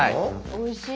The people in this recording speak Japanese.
おいしい。